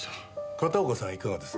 片岡さんはいかがです？